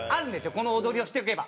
この踊りをしておけば。